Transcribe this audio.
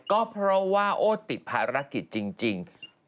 ก็เพราะว่าโอ้ติดภารกิจจริง